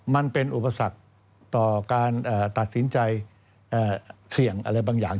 มันเป็นอุปสรรคต่อการตัดสินใจเสี่ยงอะไรบางอย่าง